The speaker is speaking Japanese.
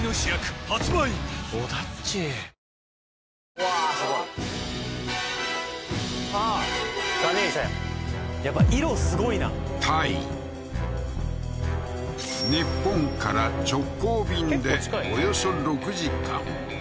うわーすごいああーガネーシャややっぱ色すごいな日本から直行便でおよそ６時間